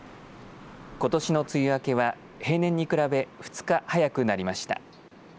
ことしの梅雨明けは平年に比べ２日早くなりました。